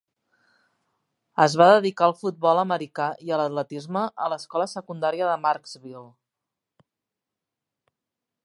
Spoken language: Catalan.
Es va dedicar al futbol americà i a l'atletisme a l'escola secundària de Marksville.